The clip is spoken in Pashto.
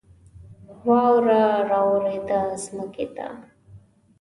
واوره را اوورېده ځمکې ته